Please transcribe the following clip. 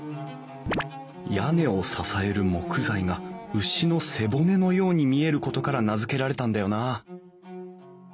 屋根を支える木材が牛の背骨のように見えることから名付けられたんだよなあ